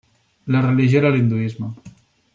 La religió era l'hinduisme.